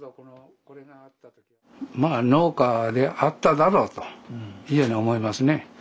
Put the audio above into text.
まあ農家であっただろうというように思いますね。